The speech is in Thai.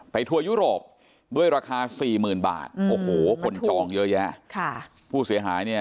ไปทัวร์ยุโรปด้วยราคา๔๐๐๐๐บาทคนชองเยอะแยะผู้เสียหายเนี่ย